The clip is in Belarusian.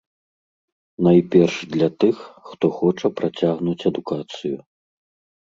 Найперш для тых, хто хоча працягнуць адукацыю.